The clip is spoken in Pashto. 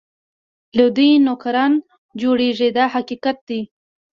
له دوی نوکران جوړېږي دا حقیقت دی.